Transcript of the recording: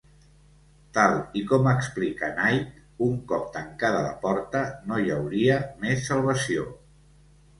Tal i com explica Knight, un cop tancada la porta, no hi hauria més salvació.